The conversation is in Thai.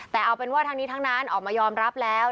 แต่เอาเป็นว่าทั้งนี้ทั้งนั้นออกมายอมรับแล้ว